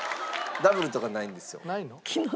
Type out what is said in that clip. ダブルとかないんですよ。ないの？